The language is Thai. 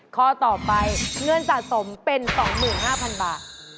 ข้อต่อไปเงินสะสมเป็น๒๕๐๐๐บาท